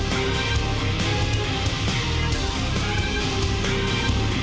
melakukan itu sama kamu